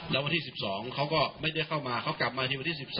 แล้ววันที่๑๒เขาก็ไม่ได้เข้ามาเขากลับมาทีวันที่๑๓